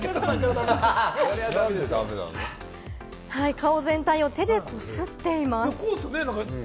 顔全体を手でこすっています。